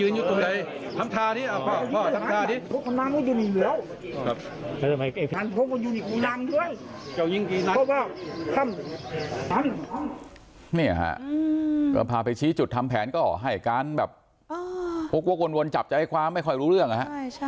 นี่ฮะก็พาไปชี้จุดทำแผนก็ให้การแบบพกวกวนจับใจความไม่ค่อยรู้เรื่องนะฮะ